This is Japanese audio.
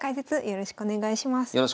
よろしくお願いします。